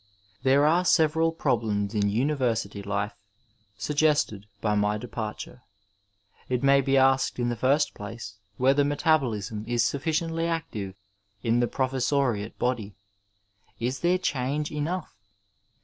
There are several problems in university life suggested by my departure. It may be asked in the first place, whether metabolism is sufficiently active in the professoriate body, is there change enough